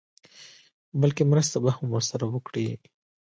بلکې مرسته به هم ورسره وکړي.